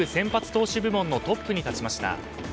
投手部門のトップに立ちました。